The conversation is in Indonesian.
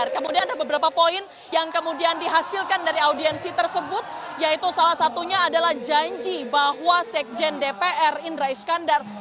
kemudian ada beberapa poin yang kemudian dihasilkan dari audiensi tersebut yaitu salah satunya adalah janji bahwa sekjen dpr indra iskandar